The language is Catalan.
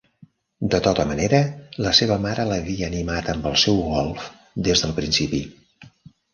De tota manera, la seva mare l'havia animat amb el seu golf des del principi.